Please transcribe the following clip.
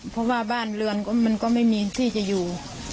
เพราะว่าบ้านเรือนมันก็ไม่มีที่จะอยู่